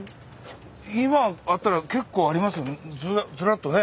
今あったら結構ありますねずらっとね。